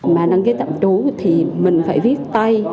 mà đăng ký tạm trú thì mình phải viết tay